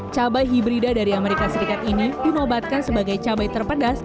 cabai hibrida dari amerika serikat ini dinobatkan sebagai cabai terpedas